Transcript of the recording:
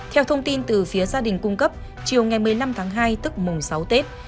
theo thông tin từ phía gia đình cung cấp chiều ngày một mươi năm tháng hai tức mùng sáu tết